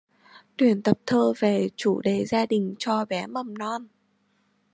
Tuyển tập thơ về chủ đề gia đình cho bé mầm non